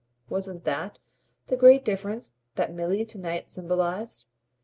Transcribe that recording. Wasn't THAT the great difference that Milly to night symbolised?